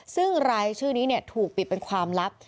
ซึ่งรายชื่อนี้ถูกปิดเป็นความลับ